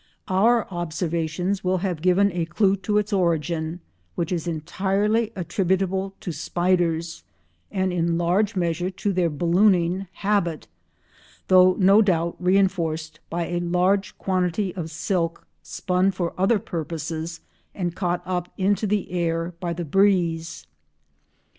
Our observations will have given a clue to its origin which is entirely attributable to spiders, and in large measure to their ballooning habit, though no doubt reinforced by a large quantity of silk spun for other purposes and caught up into the air by the breeze.